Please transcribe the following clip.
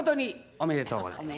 おめでとうございます。